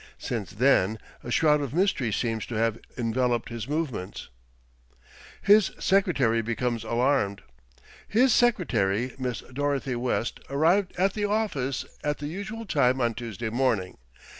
Since then a shroud of mystery seems to have enveloped his movements. ~HIS SECRETARY BECOMES ALARMED~ "His Secretary, Miss Dorothy West, arrived at the office at the usual time on Tuesday morning.